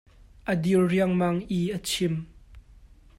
A dir riangmang i a chim.